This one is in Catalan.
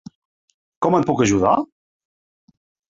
Com et puc ajudar?